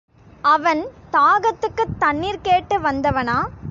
அவன் தாகத்துக்குத் தண்ணீர் கேட்டு வந்தவனா?